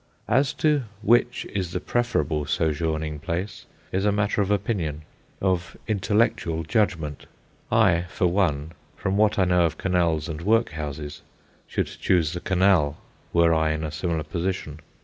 As to which is the preferable sojourning place is a matter of opinion, of intellectual judgment. I, for one, from what I know of canals and workhouses, should choose the canal, were I in a similar position.